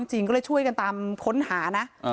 ดีกว่าช่วยกันตามค้นห่านะอ่า